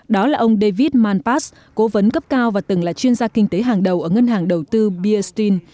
đó là ông david malpas cố vấn cấp cao và từng là chuyên gia kinh tế hàng đầu ở ngân hàng đầu tư biusine